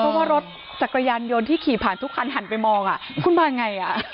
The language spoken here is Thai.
เพราะว่ารถจักรยานยนต์ที่ขี่ผ่านทุกคันหันไปมองคุณมาไง